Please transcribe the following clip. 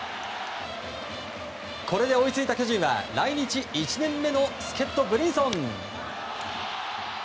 これで追いついた巨人は来日１年目の助っ人ブリンソン！